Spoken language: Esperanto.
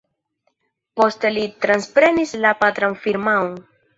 Poste li transprenis la patran firmaon.